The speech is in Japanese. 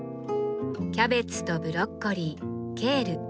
キャベツとブロッコリーケール。